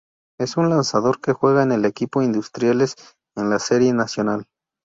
Es un lanzador que juega en el equipo de Industriales en la Serie Nacional.